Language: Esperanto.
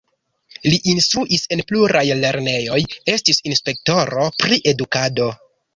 Li instruis en pluraj lernejoj, estis inspektoro pri edukado.